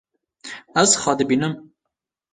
Ez xwe dibînim.